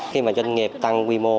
khi mà doanh nghiệp tăng quy mô